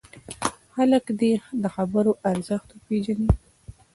خلک دې د خبرو ارزښت وپېژني.